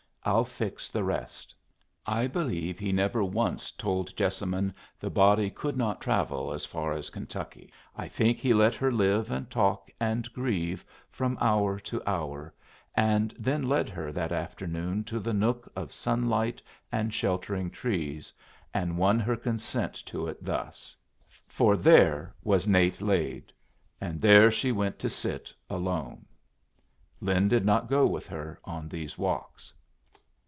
"I'll fix the rest." I believe he never once told Jessamine the body could not travel so far as Kentucky. I think he let her live and talk and grieve from hour to hour, and then led her that afternoon to the nook of sunlight and sheltering trees, and won her consent to it thus; for there was Nate laid, and there she went to sit, alone. Lin did not go with her on those walks.